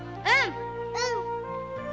うん。